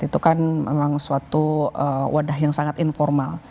itu kan memang suatu wadah yang sangat informal